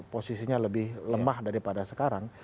posisinya lebih lemah daripada sekarang